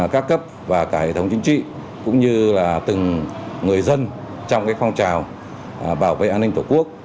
các cấp và cả hệ thống chính trị cũng như là từng người dân trong phong trào bảo vệ an ninh tổ quốc